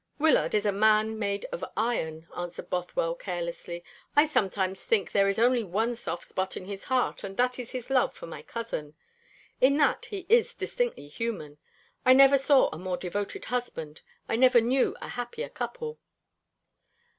"Wyllard is a man made of iron," answered Bothwell carelessly. "I sometimes think there is only one soft spot in his heart, and that is his love for my cousin. In that he is distinctly human. I never saw a more devoted husband. I never knew a happier couple."